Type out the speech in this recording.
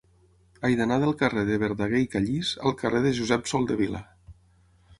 He d'anar del carrer de Verdaguer i Callís al carrer de Josep Soldevila.